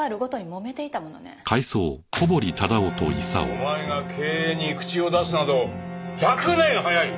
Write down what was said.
お前が経営に口を出すなど１００年早い！